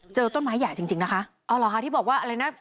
เจอต้นไม้ใหญ่จริงจริงนะคะอ๋อเหรอคะที่บอกว่าอะไรนะ